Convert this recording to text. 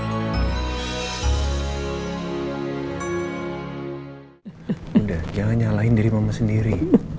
udah jangan nyalahin diri mama sendiri